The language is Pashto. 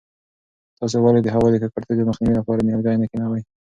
تاسې ولې د هوا د ککړتیا د مخنیوي لپاره نیالګي نه کښېنوئ؟